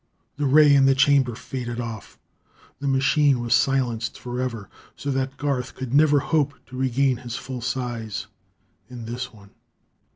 The ray in the chamber faded off. The machine was silenced forever, so that Garth could never hope to regain his full size in this one....